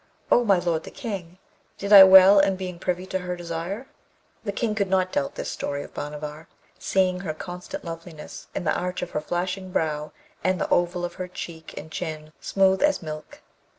O my lord the King, did I well in being privy to her desire?' The King could not doubt this story of Bhanavar, seeing her constant loveliness, and the arch of her flashing brow, and the oval of her cheek and chin smooth as milk.